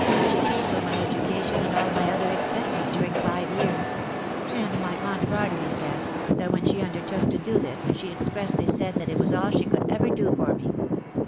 She paid for my education, and all my other expenses, during five years ; and my aunt Barnaby says, that when she undertook to do this, she expressly said that it was all she could ever do for me.